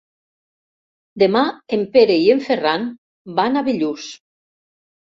Demà en Pere i en Ferran van a Bellús.